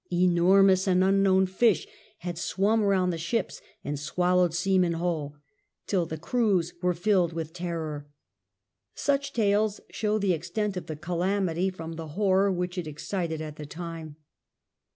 Enormous and unknown fish had swum round the ships and swallowed seamen whole, till the crews were filled with terror. Such tales show the extent of the calamity from the horror which it excited at the time.